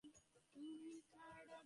সর্বত্র তাঁহাকে দর্শন করাই প্রকৃত সুখবাদ।